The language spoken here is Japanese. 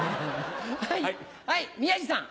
はい宮治さん。